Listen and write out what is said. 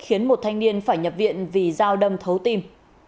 khiến một thanh niên phải nhập viện vì dao đâm thấu tim